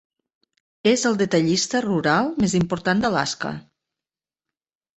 És el detallista rural més important d'Alaska.